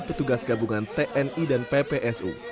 petugas gabungan tni dan ppsu